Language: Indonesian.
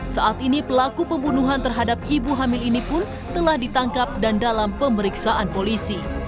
saat ini pelaku pembunuhan terhadap ibu hamil ini pun telah ditangkap dan dalam pemeriksaan polisi